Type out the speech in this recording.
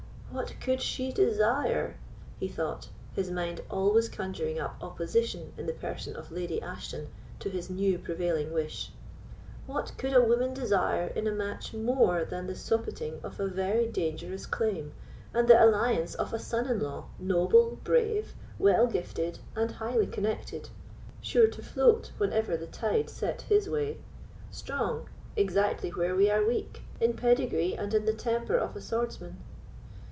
"What could she desire," he thought, his mind always conjuring up opposition in the person of Lady Ashton to his new prevailing wish—"what could a woman desire in a match more than the sopiting of a very dangerous claim, and the alliance of a son in law, noble, brave, well gifted, and highly connected; sure to float whenever the tide sets his way; strong, exactly where we are weak, in pedigree and in the temper of a swordsman?